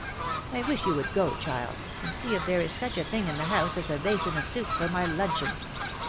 I wish you would go, child, and see if there is such a thing in the house as a basin of soup for my luncheon.